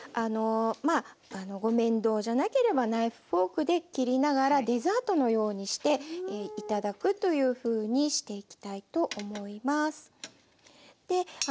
まあご面倒じゃなければナイフフォークで切りながらデザートのようにして頂くというふうにしていきたいと思います。